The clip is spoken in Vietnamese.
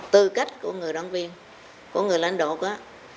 tư cách của người đoàn viên của người lãnh đột đó